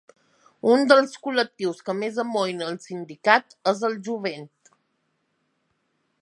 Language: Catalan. Un dels col·lectius que més amoïna el sindicat és el jovent.